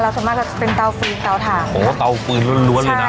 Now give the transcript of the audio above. เราสำหรับจะเป็นเตาฟรีเตาทางโอ้เตาเปื่อยร้อนร้อนเลยนะใช่ค่ะ